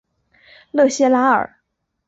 勒谢拉尔。